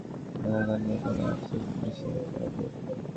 নিজেকে নিয়ে কিংবা নিজের কাজকারবার নিয়ে কোনো আফসোস নেই সেই জারজের।